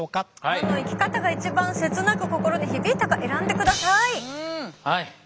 どの生き方が一番切なく心に響いたか選んでください。